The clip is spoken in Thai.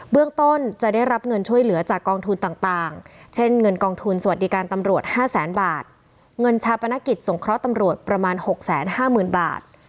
เรื่องต้นจะได้รับเงินช่วยเหลือจากกองทุนต่างเช่นเงินกองทุนสวัสดิการตำรวจ๕แสนบาทเงินชาปนกิจสงเคราะห์ตำรวจประมาณ๖๕๐๐๐บาท